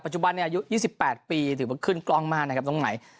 จุบันนี้อายุ๒๘ปีถือว่าขึ้นกล้องมากนะครับตรงไหน